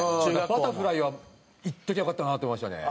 バタフライはいっときゃよかったなって思いましたね。